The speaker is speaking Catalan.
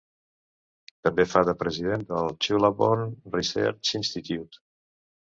També fa de president del Chulabhorn Research Institute.